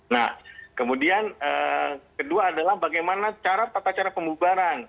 nah kemudian kedua adalah bagaimana cara tata cara pembubaran